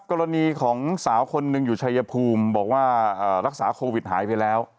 กรณีของสาวคนหนึ่งอยู่ชายภูมิบอกว่ารักษาโควิดหายไปแล้ว